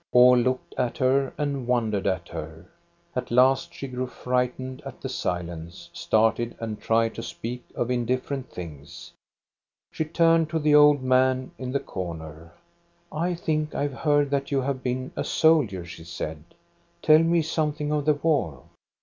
All looked at her and wondered at her. At last she grew frightened at the silence, started, and tried to speak of indifferent things. She turned to the old man in the corner, " I think I have heard that you have been a soldier," she said. " Tell me something of the war